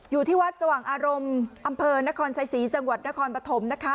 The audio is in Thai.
อยู่ที่วัดสว่างอารมณ์อำเภอนครชัยศรีจังหวัดนครปฐมนะคะ